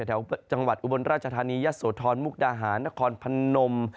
แถวจังหวัดอุบลราชธานียะโสธรมุกดาหารนครพนม